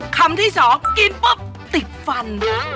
คำที่๒กินปุ๊บติดฟัน